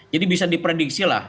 jadi bisa diprediksi lah